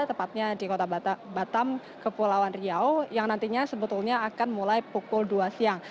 tepatnya di kota batam kepulauan riau yang nantinya sebetulnya akan mulai pukul dua siang